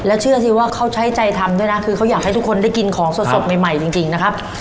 เชื่อสิว่าเขาใช้ใจทำด้วยนะคือเขาอยากให้ทุกคนได้กินของสดใหม่จริงนะครับ